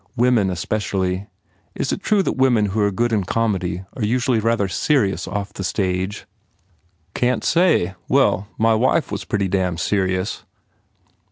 Women especially. Is it true that women who re good in comedy are usually rather serious off the stage?" "Can t say Well, my wife was pretty damn serious!"